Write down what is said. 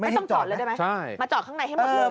จอดเลยได้ไหมมาจอดข้างในให้หมดเลย